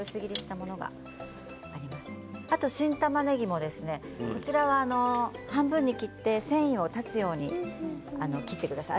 新たまねぎも半分に切って繊維を断つように切ってください。